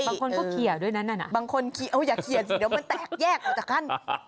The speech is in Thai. บางคนก็เขียนด้วยนั้นบางคนเขียนเอาอย่าเขียนสิเดี๋ยวมันแตกแยกออกจากขั้น